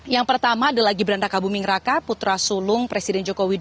yang pertama adalah gibranda kabu mingraka putra sulung presiden joko widodo